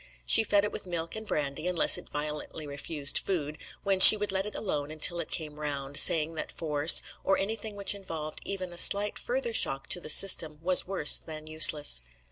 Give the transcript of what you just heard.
She fed it with milk and brandy, unless it violently refused food, when she would let it alone until it came round, saying that force, or anything which involved even a slight further shock to the system, was worse than useless.